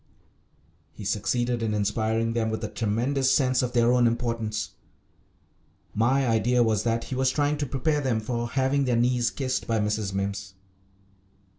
He succeeded in inspiring them with a tremendous sense of their own importance. My idea was that he was trying to prepare them for having their knees kissed by Mrs. Mimms.